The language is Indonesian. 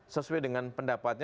sesuai dengan pendapatnya